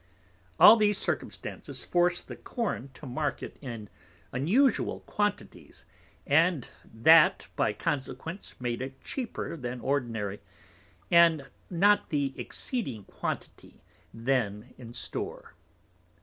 All these Circumstances forc'd the Corn to Market in unusual quantities, and that by Consequence made it Cheaper than ordinary, and not the exceeding quantity then in Store.